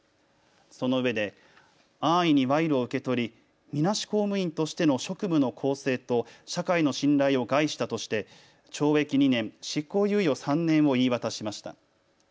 そのうえで安易に賄賂を受けとりみなし公務員としての職務の公正と社会の信頼を害したとして懲役２年、執行猶予３年を言い渡しました。